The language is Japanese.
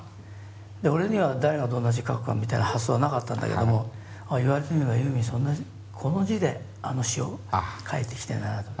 で俺には誰がどんな字書くかみたいな発想はなかったんだけども言われてみればユーミンそんな字この字であの詞を書いてきてんだなと。